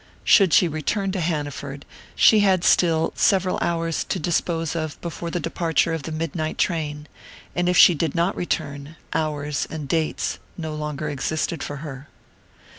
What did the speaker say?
Should she return to Hanaford, she had still several hours to dispose of before the departure of the midnight train; and if she did not return, hours and dates no longer existed for her.